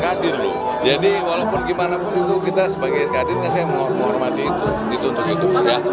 gadin dulu jadi walaupun gimana pun itu kita sebagai gadin saya menghormati itu untuk itu